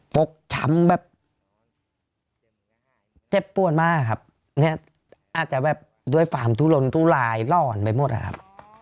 ปกช้ำแบบเจ็บปวดมากครับเนี่ยอาจจะแบบด้วยฝันทุลล้อนไปหมดละครับ